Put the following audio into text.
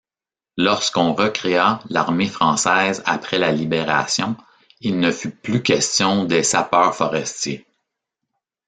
Lorsqu'on recréa l'armée française après la libération, il ne fut plus question des sapeurs-forestiers.